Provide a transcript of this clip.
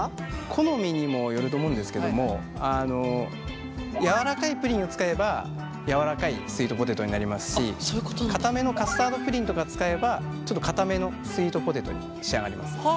好みにもよると思うんですけども柔らかいプリンを使えば柔らかいスイートポテトになりますしかためのカスタードプリンとか使えばちょっとかためのスイートポテトに仕上がります。